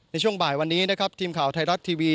ในช่วงบ่ายวันนี้นะครับทีมข่าวไทยรัฐทีวี